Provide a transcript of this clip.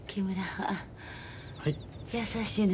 はい。